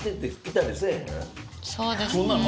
そうですね。